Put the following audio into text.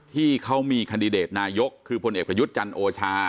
ที่เขามีคันดิเดตนายกคือพลเอกประยุทธ์จันทร์โอชา